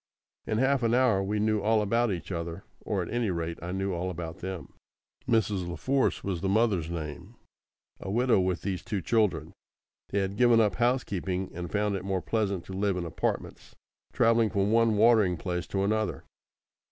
In half an hour we knew all about each other, or at any rate I knew all about them. Mrs. La Force was the mother's name, a widow with these two children. They had given up housekeeping, and found it more pleasant to live in apartments, travelling from one watering place to another.